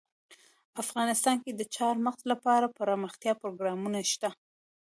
افغانستان کې د چار مغز لپاره دپرمختیا پروګرامونه شته.